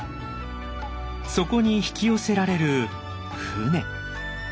そこに引き寄せられる舟。